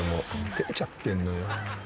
照れちゃってんのよ。